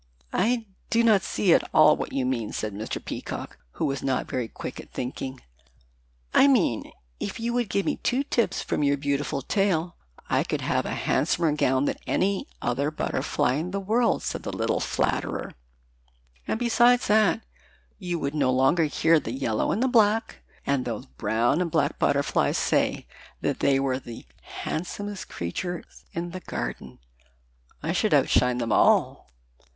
"I do not see at all what you mean," said Mr. Peacock, who was not very quick at thinking. "I mean if you would give me two tips from your beautiful tail I could have a handsomer gown than any other butterfly in the world," said the little flatterer, "and besides that, you would no longer hear the yellow and black and those brown and black butterflies say that they were the handsomest creatures in the garden. I should outshine them all."